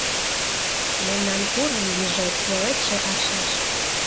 Мемнан курым лийже Пеледше аршаш.